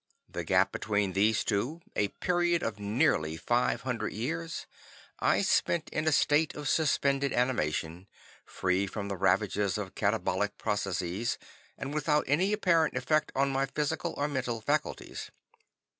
The gap between these two, a period of nearly five hundred years, I spent in a state of suspended animation, free from the ravages of katabolic processes, and without any apparent effect on my physical or mental faculties.